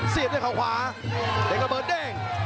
เสียบด้วยขวาเด็กระเบิดเด้ง